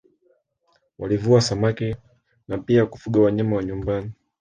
Walivua samaki na pia kufuga wanyama wa nyumbani